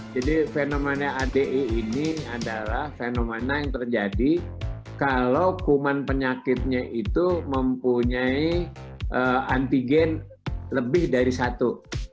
jadi fenomena ade ini adalah fenomena yang terjadi kalau kuman penyakitnya itu mempunyai antigen lebih dari satu